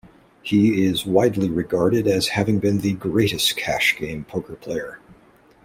He is widely regarded as having been the greatest cash game poker player.